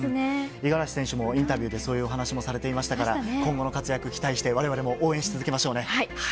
五十嵐選手もインタビューで、そういうお話もされていましたから、今後の活躍期待して、われわれも応援し続けましょうね。